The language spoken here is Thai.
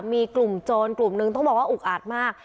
มีกลุ่มโจรกลุ่มนึงต้องบอกว่าอุกอาดมาก